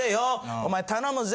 お前頼むぜ